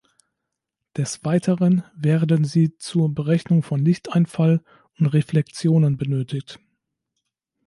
Des Weiteren werden sie zur Berechnung von Lichteinfall und Reflexionen benötigt.